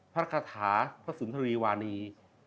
พระธรรมพระสุริวณี